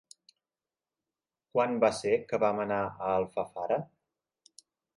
Quan va ser que vam anar a Alfafara?